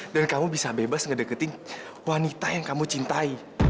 dan kamu bisa bebas ngedeketin wanita yang kamu cintai